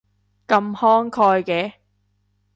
咁慷慨嘅